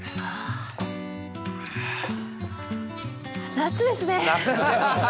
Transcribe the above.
夏ですね！